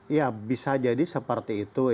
ya bisa jadi seperti itu